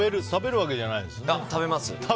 食べるわけじゃないですよね？